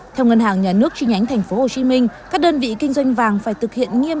theo ngân hàng nhà nước chi nhánh tp hcm các đơn vị kinh doanh vàng phải thực hiện nghiêm